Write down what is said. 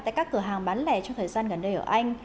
tại các cửa hàng bán lẻ trong thời gian gần đây ở anh